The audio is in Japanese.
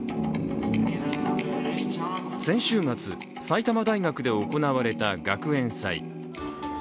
先週末、埼玉大学で行われた学園祭。